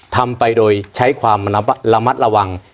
ทำไปโดยใช้ความระมัดระวัง